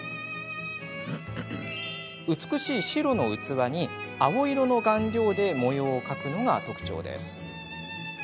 美しい白の器に青色の顔料で模様を描くのが特徴です。